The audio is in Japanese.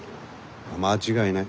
間違いない。